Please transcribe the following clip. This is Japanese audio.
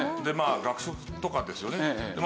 でまあ学食とかですよね。